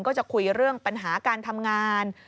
ก็จะคุยเรื่องปัญหาการทำงาน